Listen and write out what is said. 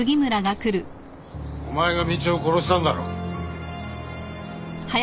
お前が道夫を殺したんだろ。